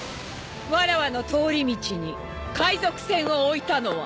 わらわの通り道に海賊船を置いたのは！